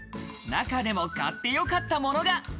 中でも、買ってよかったものが。